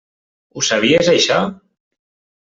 Ho sabies, això?